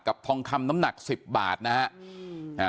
ทองคำน้ำหนักสิบบาทนะฮะ